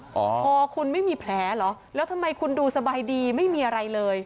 พอคุณไม่มีแผลเหรอแล้วทำไมคุณดูสบายดีไม่มีอะไรเลย